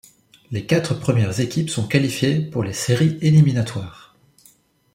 Les quatre premières équipes sont qualifiées pour les séries éliminatoires.